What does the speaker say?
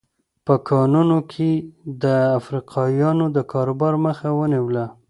په کانونو کې یې د افریقایانو د کاروبار مخه ونیوله.